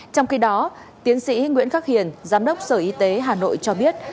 trong khi đó tiến sĩ nguyễn khắc hiền giám đốc sở y tế hà nội cho biết